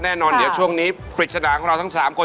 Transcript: แน่นอนเดี๋ยวช่วงนี้ปริศนาของเราทั้ง๓คน